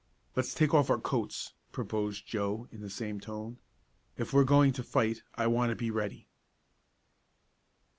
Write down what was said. "Let's take off our coats," proposed Joe, in the same tone. "If we're going to fight I want to be ready."